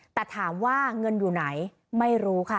แต่ถามว่าเงินอยู่ไหนไม่รู้ค่ะ